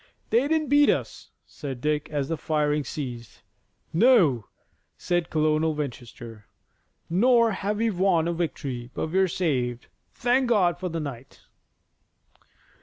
"They didn't beat us," said Dick as the firing ceased. "No," said Colonel Winchester, "nor have we won a victory, but we're saved. Thank God for the night!"